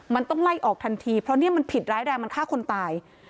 มันต้องไล่ออกทันทีเพราะเนี่ยมันผิดร้ายแรงมันฆ่าคนตาย